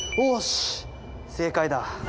正解だ！